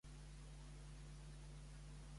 Com podem descriure Polide, llavors?